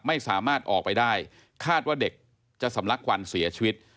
ไม่สามารถออกไปได้คาดว่าเด็กจะสำลักควันเสียชีวิต